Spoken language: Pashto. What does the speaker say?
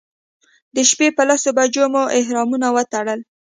د شپې په لسو بجو مو احرامونه وتړل.